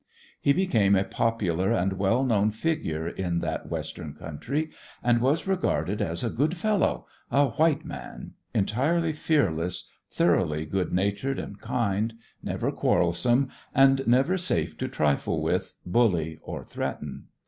He became a popular and well known figure in that western country and was regarded as a good fellow, a "white man," entirely fearless, thoroughly good natured and kind, never quarrelsome, and never safe to trifle with, bully, or threaten.